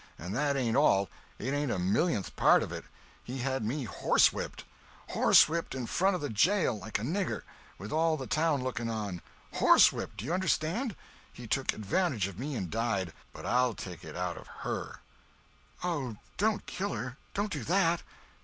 And that ain't all. It ain't a millionth part of it! He had me horsewhipped!—horsewhipped in front of the jail, like a nigger!—with all the town looking on! Horsewhipped!—do you understand? He took advantage of me and died. But I'll take it out of her." "Oh, don't kill her! Don't do that!"